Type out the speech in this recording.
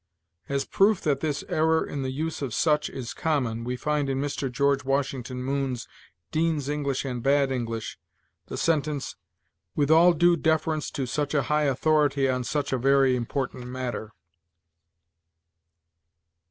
As proof that this error in the use of such is common, we find in Mr. George Washington Moon's "Dean's English and Bad English," the sentence, "With all due deference to such a high authority on such a very important matter."